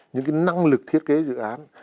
những cái năng lực thiết kế dự án